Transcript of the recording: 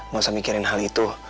mau samikirin hal itu